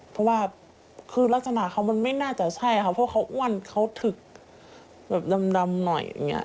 เพราะว่าคือลักษณะเขามันไม่น่าจะใช่ค่ะเพราะเขาอ้วนเขาถึกแบบดำหน่อยอย่างนี้